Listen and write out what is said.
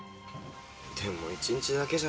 でも一日だけじゃな。